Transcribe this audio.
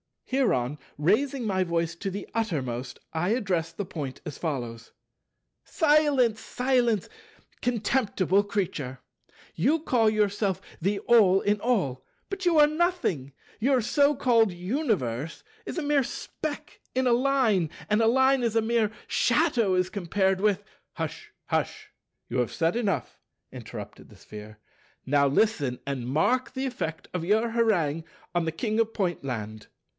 Hereon, raising by voice to the uttermost, I addressed the Point as follows: "Silence, silence, contemptible Creature. You call yourself the All in All, but you are the Nothing: your so called Universe is a mere speck in a Line, and a Line is a mere shadow as compared with—" "Hush, hush, you have said enough," interrupted the Sphere, "now listen, and mark the effect of your harangue on the King of Pointland."